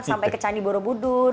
sampai ke caniborobudung